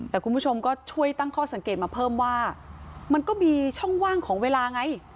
แต่คุณผู้ชมก็ช่วยตั้งข้อสังเกตมาเพิ่มว่ามันก็มีช่องว่างของเวลาไง